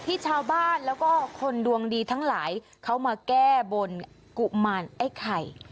ที่ชาวบ้านแล้วก็คนดวงดีทั้งหลายเขามาแก้บนกุมารไอ้ไข่